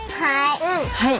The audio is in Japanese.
はい。